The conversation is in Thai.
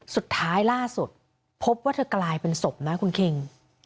สุดท้ายล่าสุดพบว่าเธอกลายเป็นศพนะคุณคิง